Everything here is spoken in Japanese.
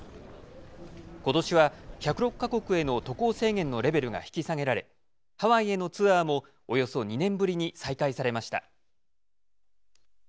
ことしは１０６か国への渡航制限のレベルが引き下げられハワイへのツアーもおよそ２年ぶりに再開されました。